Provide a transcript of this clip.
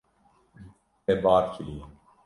Te bar kiriye.